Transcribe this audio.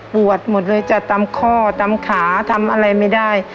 หมดเลยจ้ะตามข้อตามขาทำอะไรไม่ได้